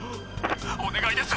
お願いです！